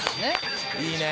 「いいね」